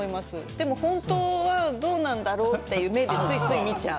でも本当はどうなんだろうってついつい見ちゃう。